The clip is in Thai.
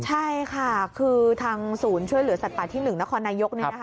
ใช่ค่ะคือทางศูนย์ช่วยเหลือสัตว์ป่าที่๑นครนายก